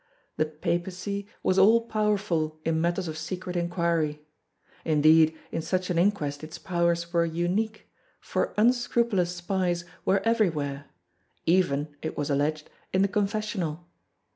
The papacy was all powerful in matters of secret inquiry. Indeed in such an inquest its powers were unique, for unscrupulous spies were everywhere even, it was alleged, in the confessional.